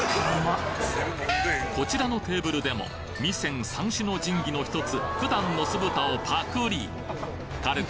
こちらのテーブルでも味仙三種の神器の１つ件の酢豚をパクリハハッ。